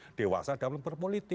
nggak usah berdemokrasi